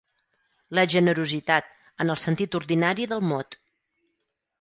La generositat, en el sentit ordinari del mot